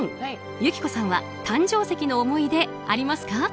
友紀子さんは誕生石の思い出、ありますか？